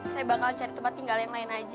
saya bakal cari tempat tinggal yang lain aja